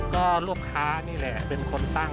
ก็ลูกค้านี่แหละเป็นคนตั้ง